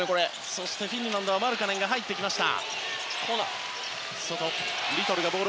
そして、フィンランドはマルカネンが入ってきた。